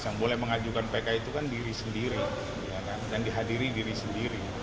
yang boleh mengajukan pk itu kan diri sendiri dan dihadiri diri sendiri